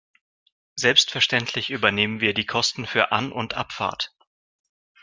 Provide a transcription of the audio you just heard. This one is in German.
Selbstverständlich übernehmen wir die Kosten für An- und Abfahrt.